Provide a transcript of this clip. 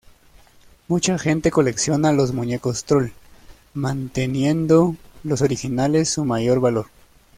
Mucha gente colecciona los muñecos trol, manteniendo los originales su mayor valor.